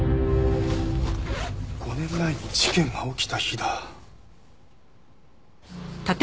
５年前に事件が起きた日だ。